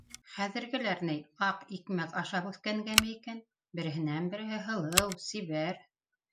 Хәҙергеләр ни, аҡ икмәк ашап үҫкәнгәме икән, береһенән- береһе һылыу, сибәр